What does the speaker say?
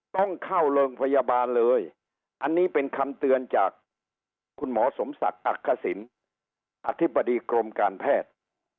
ต้องเข้าโรงพยาบาลเลยอันนี้เป็นคำเตือนจากคุณหมอสมศักดิ์อักษิณอธิบดีกรมการแพทย์